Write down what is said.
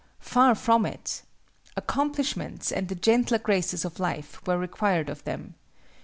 Far from it! Accomplishments and the gentler graces of life were required of them.